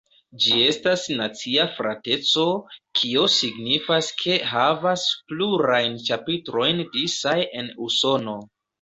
Ĝi estas nacia frateco, kio signifas ke havas plurajn ĉapitrojn disaj en Usono.